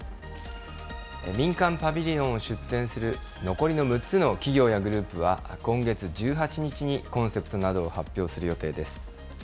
民間パビリオンを出展する残りの６つの企業やグループは、今月１８日にコンセプトなどを発表する予定です。